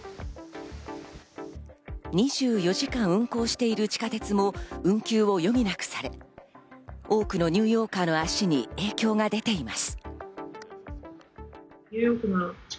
２４時間運行している地下鉄も運休を余儀なくされ、多くのニューヨーカーの足に影響が出ています。